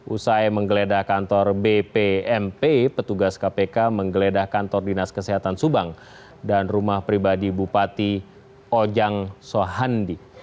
usai menggeledah kantor bpmp petugas kpk menggeledah kantor dinas kesehatan subang dan rumah pribadi bupati ojang sohandi